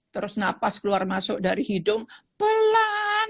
terus napas keluar masuk dari hidung pelan